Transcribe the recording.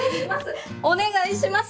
お願いします！